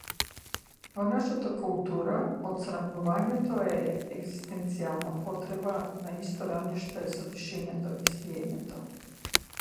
Во нашата култура, отсрамувањето е егзистенцијална потреба на исто рамниште со дишењето и спиењето.